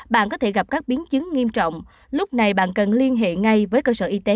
bạn có thể gặp các biến chứng nghiêm trọng lúc này bạn cần liên hệ ngay với cơ sở y tế